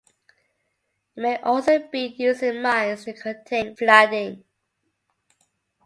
It may also be used in mines to contain flooding.